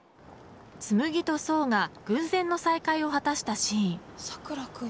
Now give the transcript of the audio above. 紬と想が偶然の再会を果たしたシーン。